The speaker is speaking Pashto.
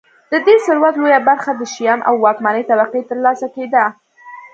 د دې ثروت لویه برخه د شیام او واکمنې طبقې ترلاسه کېده